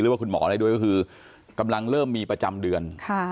ว่าคุณหมออะไรด้วยก็คือกำลังเริ่มมีประจำเดือน